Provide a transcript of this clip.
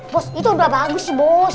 bos itu udah bagus sih bos